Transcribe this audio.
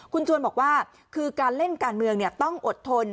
คุณชวนบอกว่าคือการเล่นการเมืองต้องอดทน